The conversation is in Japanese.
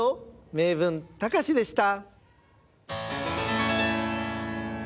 「名文たかし」でした。